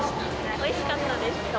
おいしかったですか？